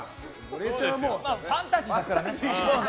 ファンタジーだからね。